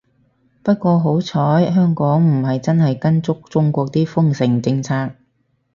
不過好彩香港唔係真係跟足中國啲封城政策